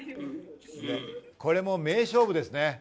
これ、名勝負ですね。